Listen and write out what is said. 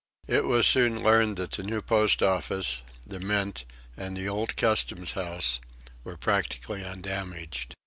It was soon learned that the new Post Office, the Mint and the old Customs House were practically undamaged.